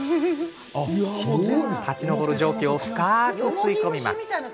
立ち上る蒸気を深く吸い込みます。